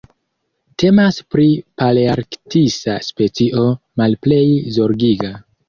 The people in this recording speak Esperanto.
Temas pri palearktisa specio Malplej Zorgiga.